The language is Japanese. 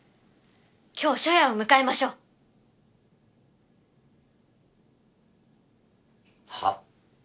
今日初夜を迎えましょうはっ？